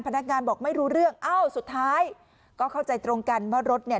พนักงานบอกไม่รู้เรื่องเอ้าสุดท้ายก็เข้าใจตรงกันว่ารถเนี่ย